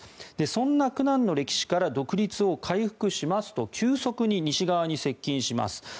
そんな苦難の歴史から独立を回復しますと急速に西側に接近します。